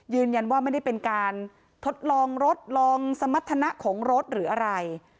ไม่ได้เป็นการทดลองรถลองสมรรถนะของรถหรืออะไร